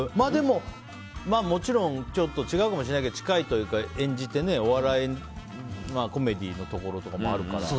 もちろんちょっと違うかもしれないけど近いというか演じてお笑い、コメディーのところもあるから。